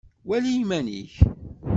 Wali iman-ik.